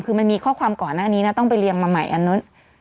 คือมันมีข้อความก่อนหน้านี้นะต้องไปเรียงมาใหม่อันนู้น